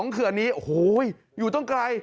เขื่อนนี้โอ้โหอยู่ต้องไกล